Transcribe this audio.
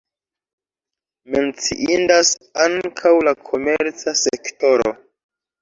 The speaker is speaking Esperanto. Menciindas ankaŭ la komerca sektoro.